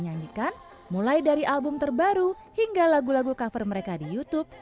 nyanyikan mulai dari album terbaru hingga lagu lagu cover mereka di youtube